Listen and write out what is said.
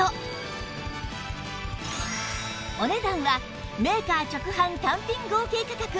お値段はメーカー直販単品合計価格